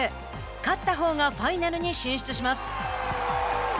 勝ったほうがファイナルに進出します。